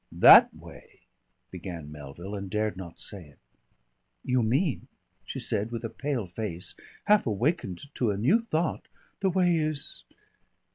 "That way " began Melville and dared not say it. "You mean," she said, with a pale face, half awakened to a new thought, "the way is